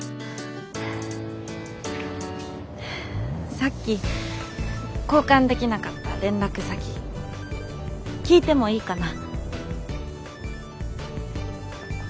さっき交換できなかった連絡先聞いてもいいかな？